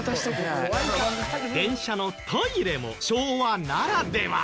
電車のトイレも昭和ならでは。